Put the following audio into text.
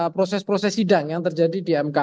proses proses sidang yang terjadi di mk